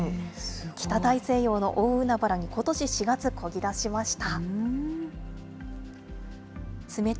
北大西洋の大海原にことし４月、こぎ出しました。